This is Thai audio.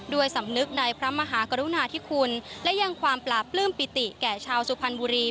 สำนึกในพระมหากรุณาธิคุณและยังความปราบปลื้มปิติแก่ชาวสุพรรณบุรี